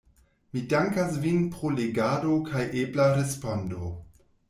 Mi dankas vin pro legado kaj ebla respondo.